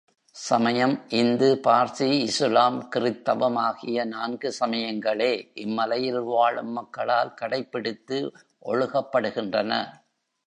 சமயம் இந்து, பார்சி, இசுலாம், கிறித்தவம் ஆகிய நான்கு சமயங்களே இம்மலையில் வாழும் மக்களால் கடைப்பிடித்து ஒழுகப் படுகின்றன.